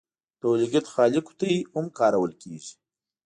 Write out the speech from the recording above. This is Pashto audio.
د اور لګیت خالي قطۍ هم کارول کیږي.